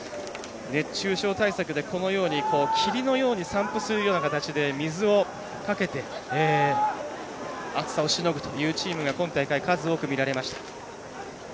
熱中症対策で霧のように散布するような形で水をかけて暑さをしのぐというチームが今大会、数多く見られました。